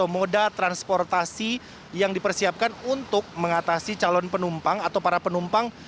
moda transportasi yang dipersiapkan untuk mengatasi calon penumpang atau para penumpang